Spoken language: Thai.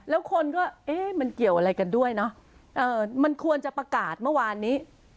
แล้วคนก็เอ๊ะมันเกี่ยวอะไรกันด้วยเนอะมันควรจะประกาศเมื่อวานนี้